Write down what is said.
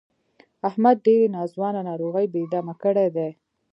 احمد ډېرې ناځوانه ناروغۍ بې دمه کړی دی.